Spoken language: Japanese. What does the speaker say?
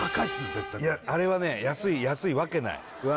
絶対あれはね安いわけないうわ